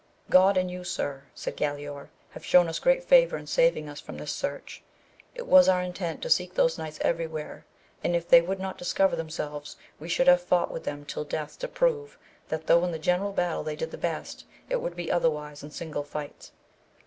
God and you sir, said Galaor, have shewn us great favour in saving us from this search; it was our intent to seek those knights every where, and if they would not discover themselves we should have fought with them till death, to prove, that though in the general battle they did the best, it would be otherwise in single fight.